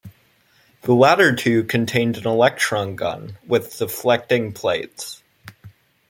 The latter two contained an electron gun with deflecting plates.